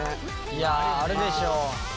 いやあるでしょ。